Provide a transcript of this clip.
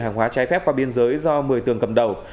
hàng hóa trái phép qua biên giới do một mươi tường cầm đầu